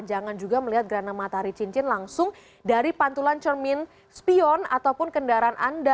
jangan juga melihat gerhana matahari cincin langsung dari pantulan cermin spion ataupun kendaraan anda